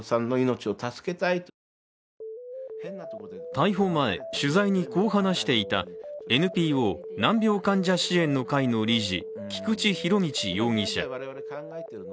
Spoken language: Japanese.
逮捕前、取材にこう話していたＮＰＯ難病患者支援の会の理事、菊池仁達容疑者。